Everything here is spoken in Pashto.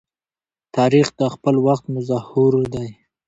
تاریخ د خپل وخت مظهور دی.